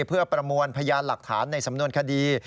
เพื่อประมวลพยานหลักฐานในสำนวนคดี